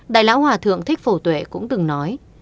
đại lão hòa thượng thích phổ tuệ cũng từng nói